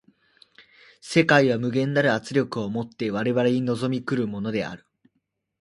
世界は無限なる圧力を以て我々に臨み来るものである。